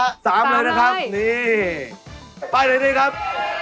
ป้ายในดีครับ